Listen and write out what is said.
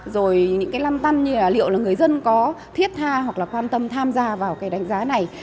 rồi những cái lăng tăn như là liệu là người dân có thiết tha hoặc là quan tâm tham gia vào cái đánh giá này